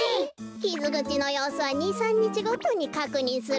きずぐちのようすは２３にちごとにかくにんするべきなんだわ。